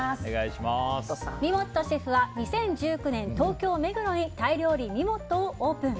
みもっとシェフは２０１９年、東京・目黒にタイ料理みもっとをオープン。